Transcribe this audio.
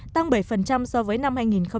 tăng bảy so với năm hai nghìn một mươi bảy